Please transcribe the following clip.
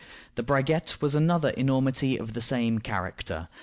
The Braguette was another enormity of the same character.